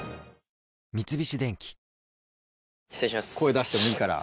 三菱電機声出してもいいから。